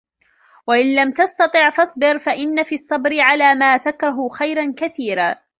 وَإِنْ لَمْ تَسْتَطِعْ فَاصْبِرْ فَإِنَّ فِي الصَّبْرِ عَلَى مَا تَكْرَهُ خَيْرًا كَثِيرًا